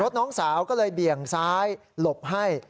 น้องสาวก็เลยเบี่ยงซ้ายหลบให้